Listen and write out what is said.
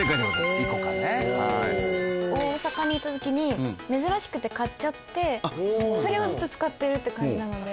大阪に行った時に珍しくて買っちゃってそれをずっと使ってるっていう感じなので。